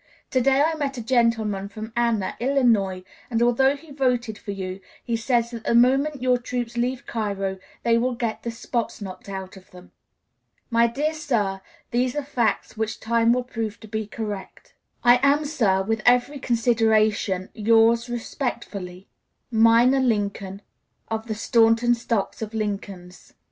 To day I met a gentleman from Anna, Illinois, and although he voted for you he says that the moment your troops leave Cairo they will get the spots knocked out of them. My dear sir, these are facts which time will prove to be correct. "I am, sir, with every consideration, yours respectfully, "MINOR LINCOLN, "Of the Staunton stock of Lincolns."